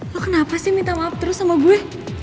lo kenapa sih minta maaf terus sama gue